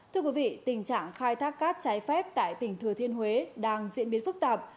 thưa quý vị tình trạng khai thác cát trái phép tại tỉnh thừa thiên huế đang diễn biến phức tạp